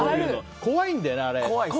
怖いんだよね、あれ。